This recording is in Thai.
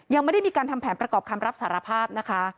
ยังไม่ได้มีการทำแผนประกอบคำรับสารภาพนะคะ